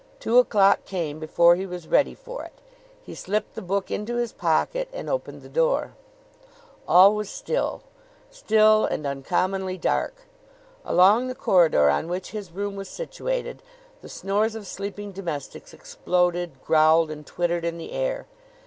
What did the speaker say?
Two o'clock came before he was ready for it. He slipped the book into his pocket and opened the door. All was still still and uncommonly dark. Along the corridor on which his room was situated the snores of sleeping domestics exploded, growled and twittered in the air.